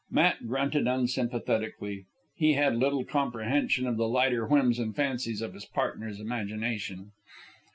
Matt grunted unsympathetically. He had little comprehension of the lighter whims and fancies of his partner's imagination.